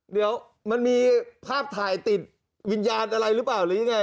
เดี๋ยวมันมีภาพถ่ายติดวิญญาณอะไรหรือเปล่าหรือยังไง